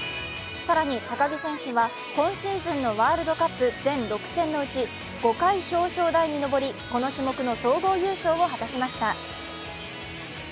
更に、高木選手は今シーズンのワールドカップ全６戦のうち５回表彰台に上りこの種目の総合優勝を果たしました。